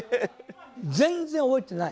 全然覚えてない。